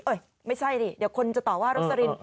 โอ้ยไม่ใช่ดิเดี๋ยวคนจะตอบว่าทรัพย์สรินย์